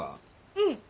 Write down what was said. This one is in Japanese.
うん。